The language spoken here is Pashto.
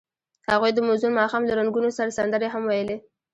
هغوی د موزون ماښام له رنګونو سره سندرې هم ویلې.